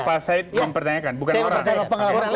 jadi pak said mempertanyakan bukan orang